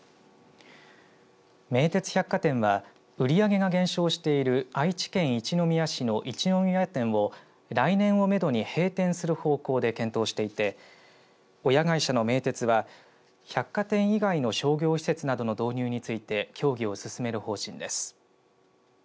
名鉄百貨店は売り上げが減少している愛知県一宮市の一宮店を来年をめどに閉店する方向で検討していて親会社の名鉄は百貨店以外の商業施設などの導入について協議を進める方針です。